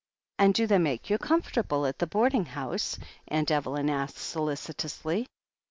"And do they make you comfortable at the boarding house?" Aunt Evelyn asked solicitously.